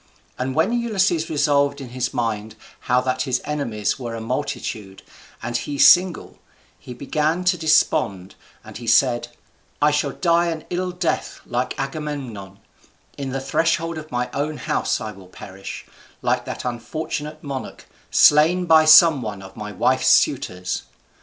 And when Ulysses revolved in his mind how that his enemies were a multitude, and he single, he began to despond, and he said, "I shall die an ill death like Agamemnon; in the threshold of my own house I shall perish, like that unfortunate monarch, slain by some one of my wife's suitors."